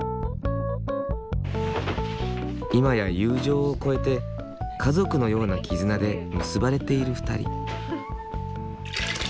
今や友情を超えて家族のような絆で結ばれている２人。